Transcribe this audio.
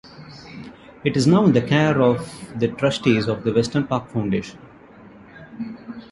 It is now in the care of the trustees of the Weston Park Foundation.